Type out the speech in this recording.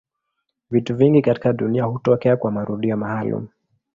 Vitu vingi katika dunia hutokea kwa marudio maalumu.